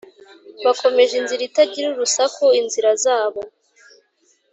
bakomeje inzira itagira urusaku inzira zabo.